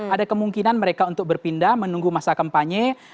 ada kemungkinan mereka untuk berpindah menunggu masa kampanye